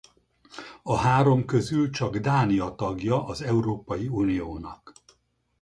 A három közül csak Dánia tagja az Európai Uniónak.